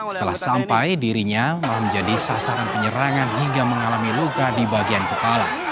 setelah sampai dirinya malah menjadi sasaran penyerangan hingga mengalami luka di bagian kepala